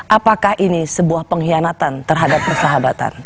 apakah ini sebuah pengkhianatan terhadap persahabatan